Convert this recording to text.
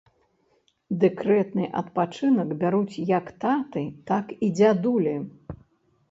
Дэкрэтны адпачынак бяруць як таты, так і дзядулі.